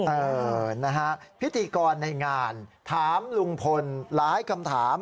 เออนะฮะพิธีกรในงานถามลุงพลหลายคำถาม